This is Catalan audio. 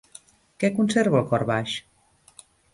Què conserva El cor baix?